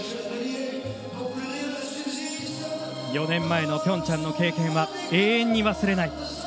４年前のピョンチャンの経験は永遠に忘れない。